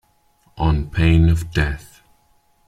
On pain of death.